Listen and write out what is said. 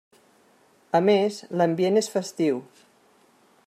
A més, l'ambient és festiu.